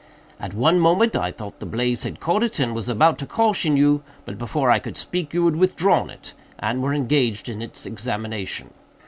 At one moment I thought the blaze had caught it, and was about to caution you, but, before I could speak, you had withdrawn it, and were engaged in its examination.